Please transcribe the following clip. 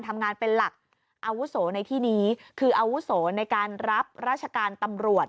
ทำงานเป็นหลักอาวุโสในที่นี้คืออาวุโสในการรับราชการตำรวจ